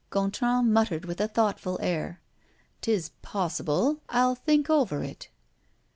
Gontran muttered, with a thoughtful air: "'Tis possible. I'll think over it."